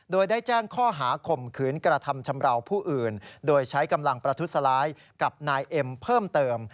โดยได้แจ้งข้อหาข่มขืนกระทำชำราวผู้อื่นโดยใช้กำลังประทุษร้ายกับนายเอ็มเพิ่มเติม